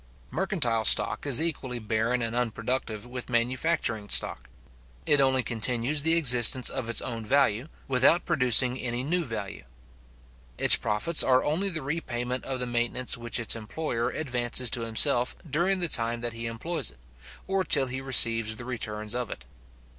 Mercantile stock is equally barren and unproductive with manufacturing stock. It only continues the existence of its own value, without producing any new value. Its profits are only the repayment of the maintenance which its employer advances to himself during the time that he employs it, or till he receives the returns of it.